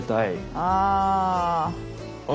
ああ。